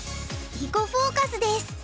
「囲碁フォーカス」です。